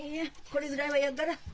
これぐらいはやっから。